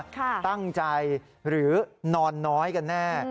ตั้งใจหรือนอนน้อยกันแน่